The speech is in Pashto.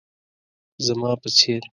زما په څير